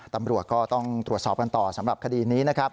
ตำรวจก็ต้องตรวจสอบกันต่อสำหรับคดีนี้นะครับ